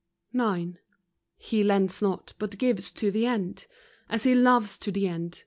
IX. He lends not; but gives to the end, As He loves to the end.